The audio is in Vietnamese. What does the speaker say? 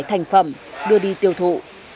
mỡ thành phẩm đưa đi tiêu thụ